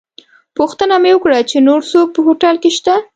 پوښتنه مې وکړه چې نور څوک په هوټل کې شته.